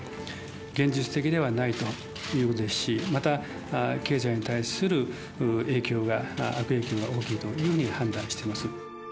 現実的ではないということですし、また、経済に対する影響が、悪影響が大きいというふうに判断してます。